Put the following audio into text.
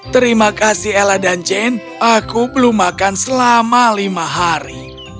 terima kasih ella dan jane aku belum makan selama lima hari